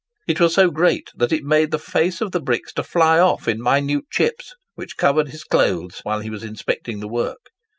It was so great that it made the face of the bricks to fly off in minute chips which covered his clothes whilst he was inspecting the work.